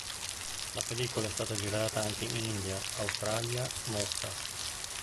La pellicola è stata girata anche in India, Australia, Mosca.